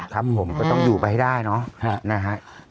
ครับผมก็ต้องอยู่ไปให้ได้เนาะนะฮะ